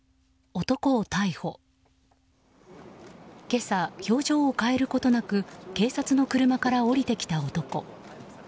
今朝、表情を変えることなく警察の車から降りてきた男。